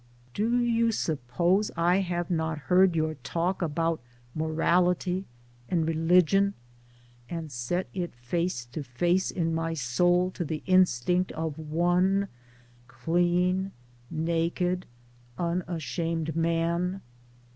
Do you suppose I have not heard your talk about Morality and Religion and set it face to face in my soul to the instinct of one clean naked unashamed Man